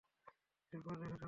এরপর দেখা যাবে।